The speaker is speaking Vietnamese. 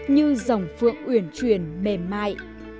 như dòng phượng uyển truyền bềm mại